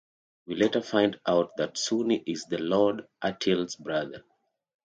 We later find out that Sunni is Lord Attil's brother.